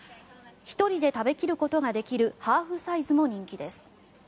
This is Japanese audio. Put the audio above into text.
１人食べ切ることができるハーフサイズも人気です。